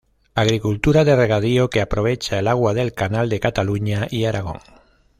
Agricultura de regadío que aprovecha el agua del canal de Cataluña y Aragón.